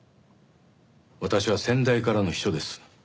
私は先代からの秘書です。